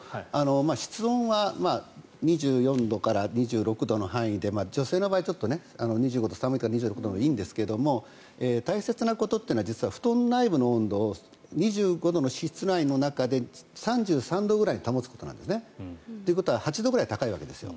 室温は２４度から２６度の範囲で女性の場合、２５度寒いから２６度でもいいんですが大切なことというのは実は布団内部の温度を２５度の室内の中で３３度くらいに保つことなんです。ということは８度くらい高いわけですよ。